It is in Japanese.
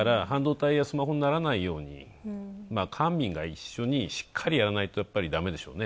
半導体やスマホにならないように官民が一緒にしっかりやらないとだめですね。